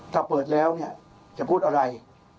ถ้าเปิดแล้วเนี่ยจะพูดอะไร